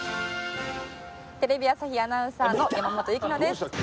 テレビ朝日アナウンサーの山本雪乃です。